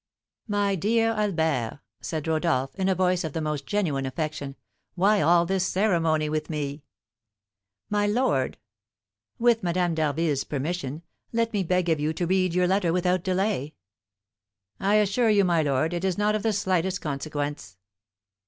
"My dear Albert," said Rodolph, in a voice of the most genuine affection, "why all this ceremony with me?" "My lord!" "With Madame d'Harville's permission, let me beg of you to read your letter without delay." "I assure you, my lord, it is not of the slightest consequence."